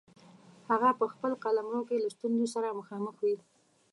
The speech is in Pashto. هغه په خپل قلمرو کې له ستونزو سره مخامخ وي.